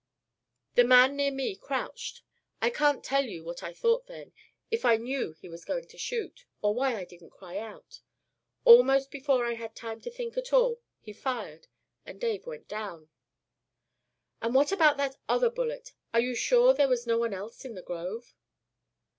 The man near me crouched. I can't tell you what I thought then if I knew he was going to shoot or why I didn't cry out. Almost before I had time to think at all, he fired, and Dave went down." "But what about that other bullet? Are you sure there was no one else in the grove?"